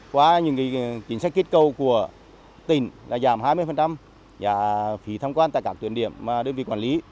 qua những chính sách kết cấu của tỉnh là giảm hai mươi phí tham quan tại các tuyển điểm đơn vị quản lý